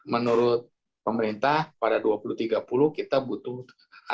menurut pemerintah pada dua ribu tiga puluh kita butuh